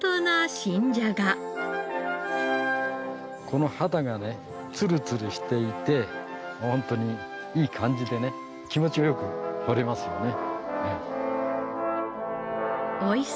この肌がねツルツルしていてホントにいい感じでね気持ちが良く掘れますよね。